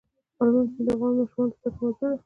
هلمند سیند د افغان ماشومانو د زده کړې موضوع ده.